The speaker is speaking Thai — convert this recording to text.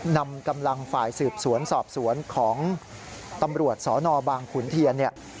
นำกำลังฝ่ายสืบสวนสอบสวนของตำรวจสนบางขุนเทียนเนี่ย